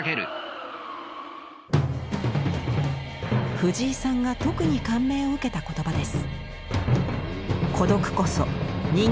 藤井さんが特に感銘を受けた言葉です。